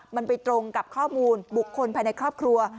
มันไปตรงกับข้อมูลบุคคลภายในครอบครัว